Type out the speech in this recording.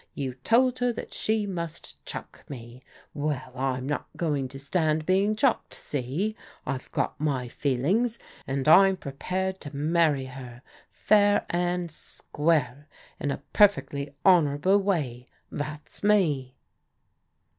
You told her that she must chuck me. Well, I'm not going to stand being chucked — see? I've got my feelings, and I'm prepared to marry her fair and square in a perfectly honourable way. That's me."